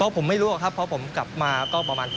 เพราะผมไม่รู้ครับ